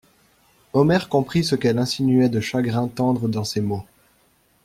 Omer comprit ce qu'elle insinuait de chagrin tendre dans ces mots.